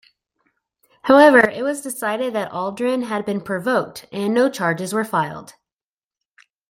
However, it was decided that Aldrin had been provoked and no charges were filed.